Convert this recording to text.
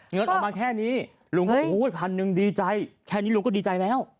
เงินออกมาแค่นี้ลุงก็โอ้ยพันหนึ่งดีใจแค่นี้ลุงก็ดีใจแล้ว